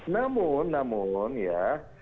namun namun ya